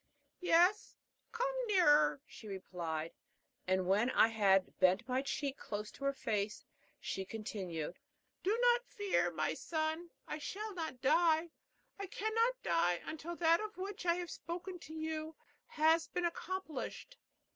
"Yes, come nearer," she replied; and when I had bent my cheek close to her face, she continued: "Do not fear, my son; I shall not die. I cannot die until that of which I have spoken to you has been accomplished."